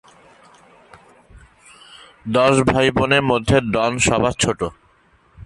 দশ ভাইবোনের মধ্যে ডন সবার ছোট।